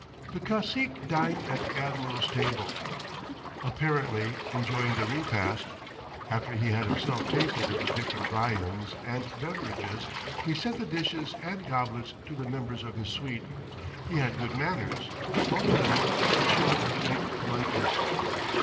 The cacique dined at the admiral's table, apparently enjoying the repast; after he had himself tasted of the different viands and beverages, he sent the dishes and goblets to the members of his suite; he had good manners, spoke little, but showed great politeness.